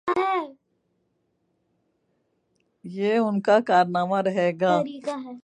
یہ ان کا کارنامہ رہے گا۔